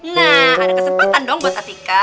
nah ada kesempatan dong buat hati ka